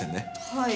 はい。